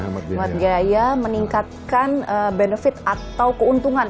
menghemat biaya meningkatkan benefit atau keuntungan